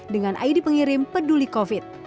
dengan id pengirim peduli covid